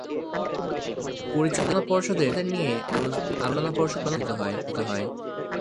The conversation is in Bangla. পরিচালনা পর্ষদের সদস্যদের নিয়ে পরিচালনা পর্ষদ গঠিত হয়।